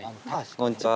こんにちは